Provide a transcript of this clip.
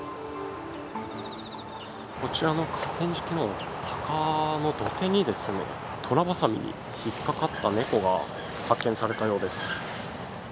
こちらの河川敷の高い土手にトラバサミに引っかかった猫が発見されたようです。